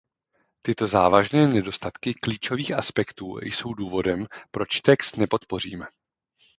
Tyto závažné nedostatky klíčových aspektů jsou důvodem, proč text nepodpoříme.